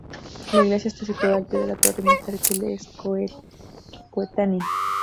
La iglesia está situada al pie de la torre militar que le es coetánea.